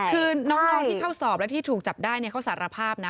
คือน้องที่เข้าสอบและที่ถูกจับได้เขาสารภาพนะ